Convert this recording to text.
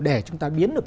để chúng ta biến được